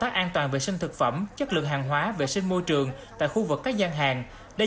tác an toàn vệ sinh thực phẩm chất lượng hàng hóa vệ sinh môi trường tại khu vực các gian hạn để